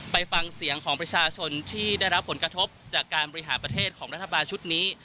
ไปฟังเสียงของประชาชนที่ได้รับผลกระทบจากการบริหารประเทศของรัฐบาลชุดนี้